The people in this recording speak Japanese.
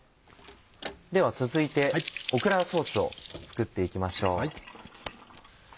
では続いてオクラのソースを作っていきましょう。